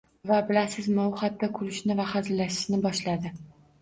Va bilasizmi, u hatto kulishni va hazillashishni boshladi